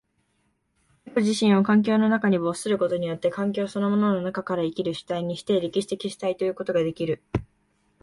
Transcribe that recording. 自己自身を環境の中に没することによって、環境そのものの中から生きる主体にして、歴史的主体ということができる。